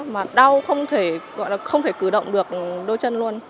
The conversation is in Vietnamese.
mà đau không thể gọi là không thể cử động được đôi chân luôn